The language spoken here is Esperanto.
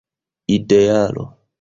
idealo